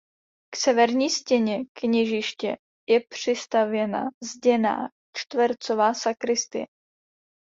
K severní stěně kněžiště je přistavěna zděná čtvercová sakristie.